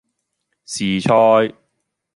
時菜